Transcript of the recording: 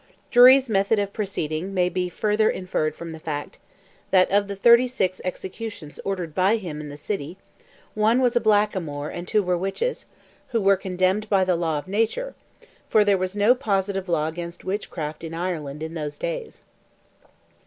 Drury's method of proceeding may be further inferred from the fact, that of the thirty six executions ordered by him in the same city, "one was a blackamoor and two were witches, who were condemned by the law of nature, for there was no positive law against witchcraft [in Ireland] in those days."